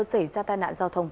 xảy ra tai nạn giao thông